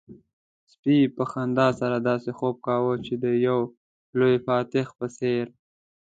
سپي په خندا سره داسې خوب کاوه چې د يو لوی فاتح په څېر.